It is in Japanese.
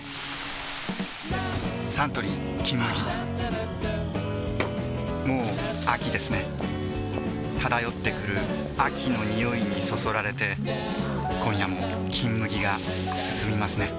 サントリー「金麦」もう秋ですね漂ってくる秋の匂いにそそられて今夜も「金麦」がすすみますね